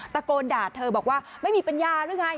ตะโกนด่าเธอบอกว่าไม่มีปัญญาหรือไง